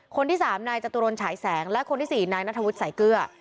คนที่๓นายจตุรนฉายแสงและคนที่๔นายนัทวุฒิสายเกลือ